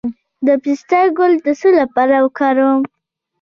د پسته ګل د څه لپاره وکاروم؟